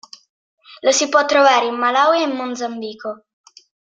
Lo si può trovare in Malawi e in Mozambico.